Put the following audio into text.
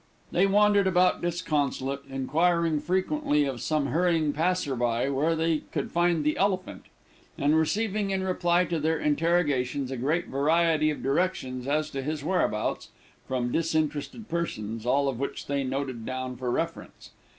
They wandered about disconsolate, inquiring frequently of some hurrying passer by where they could find the elephant, and receiving in reply to their interrogations a great variety of directions as to his whereabouts, from disinterested persons, all of which they noted down for reference.